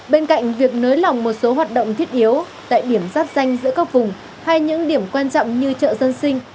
bên cạnh việc nới lỏng một số hoạt động thiết yếu tại điểm giáp danh giữa các vùng hay những điểm quan trọng như chợ dân sinh